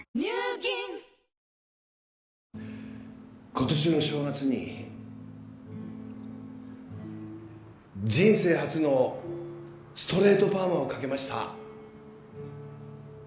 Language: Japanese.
今年の正月に人生初のストレートパーマをかけました。